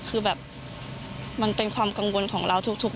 คือแบบมันเป็นความกังวลของเราทุก